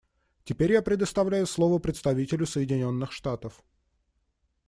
Теперь я предоставляю слово представителю Соединенных Штатов.